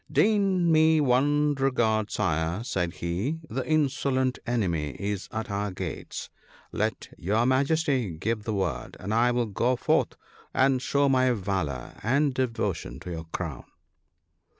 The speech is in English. " Deign me one regard, Sire," said he, " the insolent enemy is at our gates ; let your Majesty give the word, and I will go forth and show my valour and devo tion to your Crown."